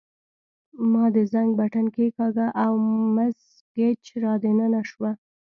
ما د زنګ بټن کښېکاږه او مس ګېج را دننه شوه.